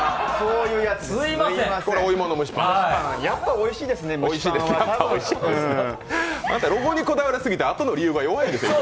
やっぱおいしいですね、蒸しパンは。あなたロゴにこだわりすぎて、あとの理由が弱いですよ。